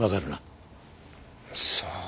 さあ？